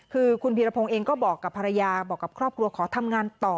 คือคุณพีรพงศ์เองก็บอกกับภรรยาบอกกับครอบครัวขอทำงานต่อ